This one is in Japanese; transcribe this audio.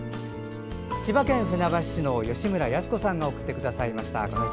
千葉県船橋市の吉村康子さんが送ってくださいました。